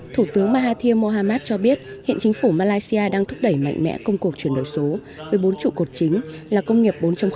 thủ tướng mahathir mohamad cho biết hiện chính phủ malaysia đang thúc đẩy mạnh mẽ công cuộc chuyển đổi số với bốn trụ cột chính là công nghiệp bốn